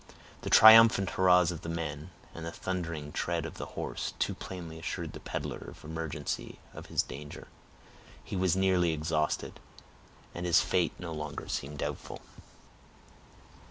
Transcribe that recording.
The triumphant hurrahs of the men, and the thundering tread of the horse, too plainly assured the peddler of the emergency of his danger. He was nearly exhausted, and his fate no longer seemed doubtful.